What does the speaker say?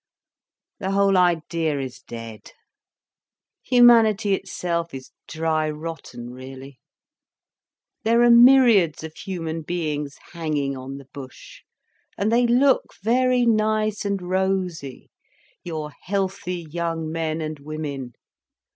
"The whole idea is dead. Humanity itself is dry rotten, really. There are myriads of human beings hanging on the bush—and they look very nice and rosy, your healthy young men and women.